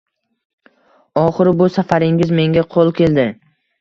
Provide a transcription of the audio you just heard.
Oxiri bu safaringiz menga qoʻl keldi